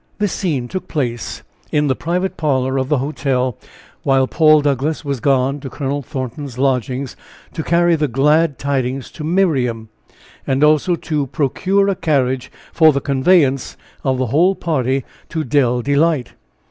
This scene took place in the private parlor of the hotel, while Paul Douglass was gone to Colonel Thornton's lodgings, to carry the glad tidings to Miriam, and also to procure a carriage for the conveyance of the whole party to Dell Delight.